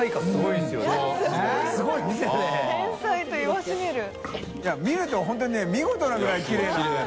い見ると本当にね見事なぐらいきれいな。